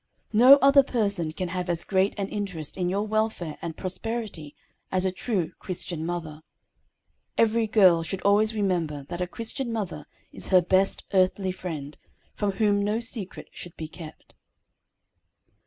"_ No other person can have as great an interest in your welfare and prosperity as a true, Christian mother. Every girl should always remember that a Christian mother is her best earthly friend, from whom no secret should be kept.